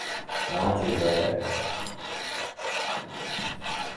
I want you to go there.